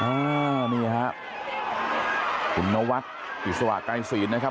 อ่านี่ฮะคุณนวัดอิสระไกรศีลนะครับ